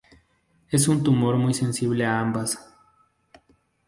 Es un tumor muy sensible a ambas.